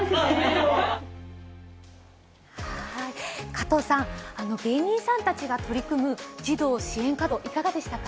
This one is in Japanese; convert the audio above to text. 加藤さん、芸人さんたちが取り組む児童支援活動いかがでしたか？